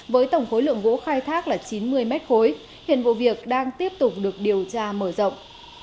với tổng khối lượng gỗ khai thác là chín mươi mét khối hiện vụ việc đang tiếp tục được điều tra mở rộng